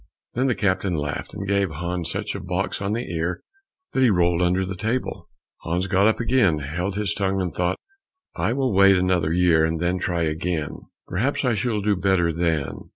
Then the captain laughed, and gave Hans such a box on the ear that he rolled under the table. Hans got up again, held his tongue, and thought, "I will wait another year and then try again, perhaps I shall do better then."